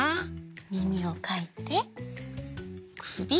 みみをかいてくび。